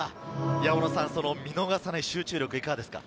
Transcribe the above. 見逃さない集中力、いかがですか？